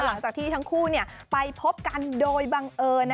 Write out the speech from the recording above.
หลังจากที่ทั้งคู่ไปพบกันโดยบังเอิญ